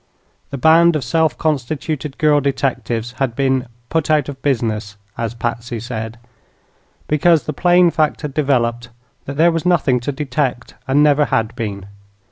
The band of self constituted girl detectives had been "put out of business," as Patsy said, because the plain fact had developed that there was nothing to detect, and never had been.